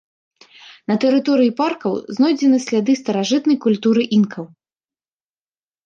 На тэрыторыі паркаў знойдзены сляды старажытнай культуры інкаў.